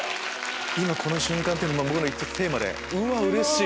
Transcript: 今この瞬間っていうのを一応僕のテーマでうれしい！